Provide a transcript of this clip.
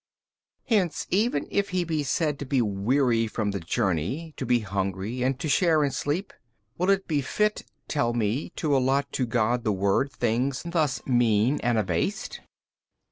B. Hence even if He be said to be weary from the journey 50. to be hungry and to share in sleep: will it be fit (tell me) to allot to God the Word things thus mean and abased?